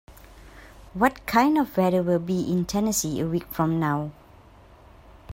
What kind of weather will be in Tennessee a week from now ?